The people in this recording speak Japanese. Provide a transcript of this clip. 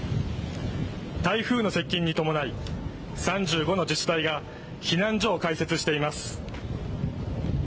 台風の接近に伴い、３５の自治体が避難所を開設しています。